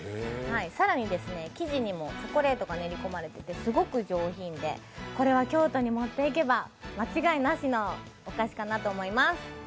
更に、生地にもチョコレートが練り込まれててすごく上品でこれは京都に持っていけば間違いなしのお菓子かなと思います。